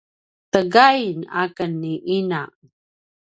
tegain a ken ni ina